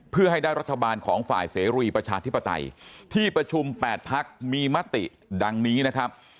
เพื่อให้ได้รัฐบาลของฝ่ายเสรีประชาธิปไตยที่ประชุม๘พักมีมติดังนี้นะครับ